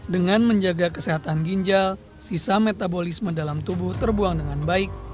dengan menjaga kesehatan ginjal sisa metabolisme dalam tubuh terbuang dengan baik